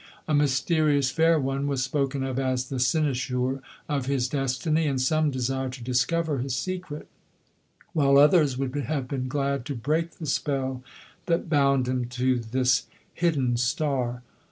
A mysterious fair one was spoken of as the cynosure of his destiny, and some desired to discover his secret, while others would have been glad to break the spell that bound him to this hidden star.